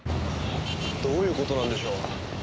どういう事なんでしょう？